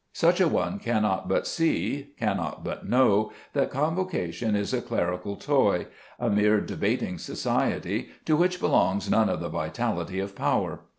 Such a one cannot but see, cannot but know, that Convocation is a clerical toy, a mere debating society to which belongs none of the vitality of power.